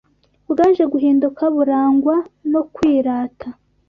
bwaje guhinduka burangwa no kwirata